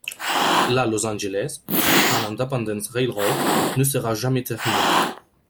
La Los Angeles and Independence Railroad ne sera jamais terminée.